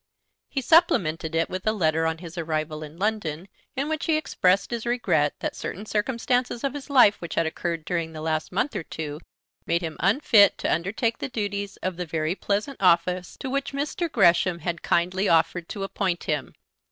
He supplemented it with a letter on his arrival in London, in which he expressed his regret that certain circumstances of his life which had occurred during the last month or two made him unfit to undertake the duties of the very pleasant office to which Mr. Gresham had kindly offered to appoint him.